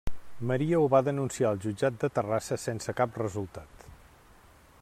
Maria ho va denunciar al jutjat de Terrassa sense cap resultat.